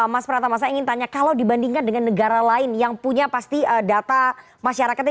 mas pratama saya ingin tanya kalau dibandingkan dengan negara lain yang punya pasti data masyarakatnya